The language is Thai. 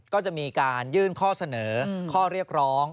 ก็จะมีการยื่นข้อเสนอข้อเรียกร้อง